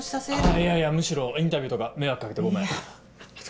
いやいやむしろインタビューとか迷惑掛けてごめん。